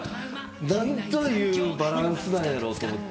なんというバランスなんやろうと思って。